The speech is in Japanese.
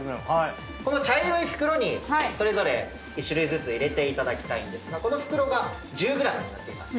この茶色い袋にそれぞれ１種類ずつ入れていただきたいんですがこの袋が１０ｇになっています。